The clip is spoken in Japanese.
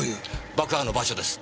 爆破の場所です。